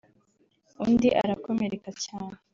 undi arakomereka cyane